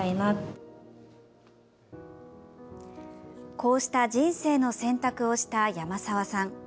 こうした人生の選択をした山澤さん。